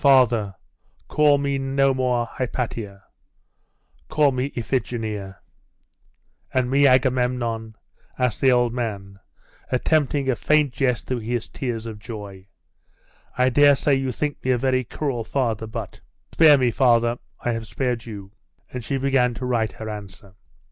Father, call me no more Hypatia: call me Iphigenia!' 'And me Agamemnon?' asked the old man, attempting a faint jest through his tears of joy. 'I daresay you think me a very cruel father; but ' 'Spare me, father I have spared you.' And she began to write her answer.